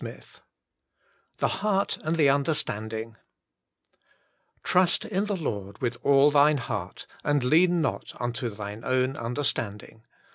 XIII THE HEART AND THE UNDEESTANDING "Trust in the Lord with all thine heart, and lean not unto thine own understanding."